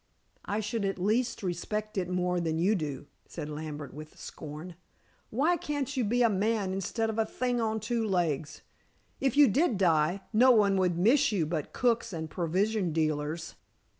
"I should at least respect it more than you do," said Lambert with scorn. "Why can't you be a man instead of a thing on two legs? If you did die no one would miss you but cooks and provision dealers."